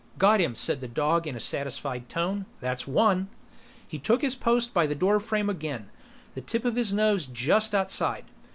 "Got him," said the dog in a satisfied tone. "That's one!" He took his post by the doorframe again, the tip of his nose just outside.